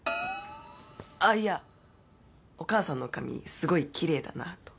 あっいやお母さんの髪すごい奇麗だなと。